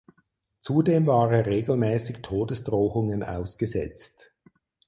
Zudem war er regelmäßig Todesdrohungen ausgesetzt.